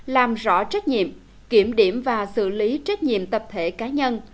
làm rõ trách nhiệm kiểm điểm và xử lý trách nhiệm tập thể cá nhân